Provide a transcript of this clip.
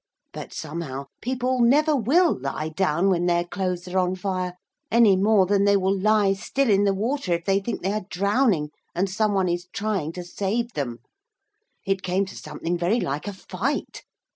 But somehow people never will lie down when their clothes are on fire, any more than they will lie still in the water if they think they are drowning, and some one is trying to save them. It came to something very like a fight.